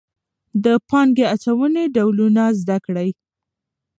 د پانګې اچونې ډولونه زده کړئ.